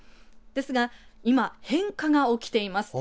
ですが今、変化が起きています。